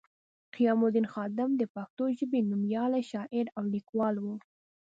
قیام الدین خادم د پښتو ژبې نومیالی شاعر او لیکوال وو